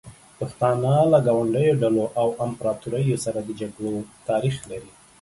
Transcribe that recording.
پښتانه له ګاونډیو ډلو او امپراتوریو سره د جګړو تاریخ لري.